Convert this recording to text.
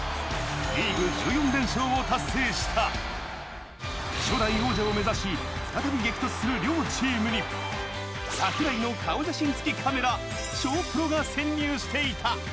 リーグ１４連勝を達成した初代王者を目指し、再び激突する両チームに櫻井の顔写真付きカメラＳＨＯＷ‐Ｐｒｏが潜入していた。